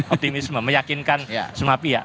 optimisme meyakinkan semua pihak